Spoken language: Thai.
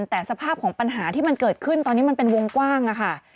แต่สภาพของปัญหาที่มันเกิดขึ้นตอนนี้มันเป็นวงกว้างค่ะ